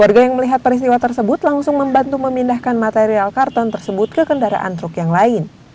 warga yang melihat peristiwa tersebut langsung membantu memindahkan material karton tersebut ke kendaraan truk yang lain